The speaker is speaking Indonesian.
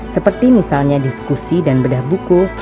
seperti misalnya diskusi dan bedah buku